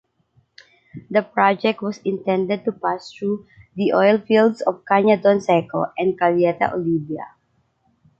The project was intended to pass through the oil fields of Cañadón Seco and Caleta Olivia.